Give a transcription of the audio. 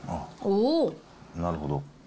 なるほど。